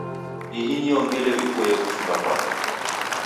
Ihi niyo ngelo ipoie kuchumba kwake.